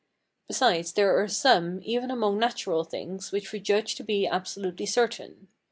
Besides, there are some, even among natural, things which we judge to be absolutely certain.